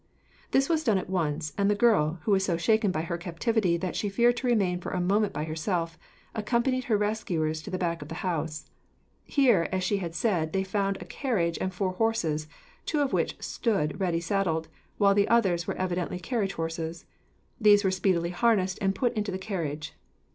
This was done at once, and the girl, who was so shaken by her captivity that she feared to remain for a moment by herself, accompanied her rescuers to the back of the house. Here, as she had said, they found a carriage and four horses, two of which stood ready saddled, while the others were evidently carriage horses. These were speedily harnessed, and put into the carriage.